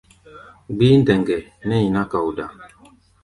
Gbíí ndɛŋgɛ nɛ́ nyiná kaoda.